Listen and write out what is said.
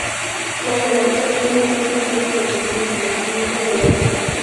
Los evangelios no siempre son independientes el uno del otro.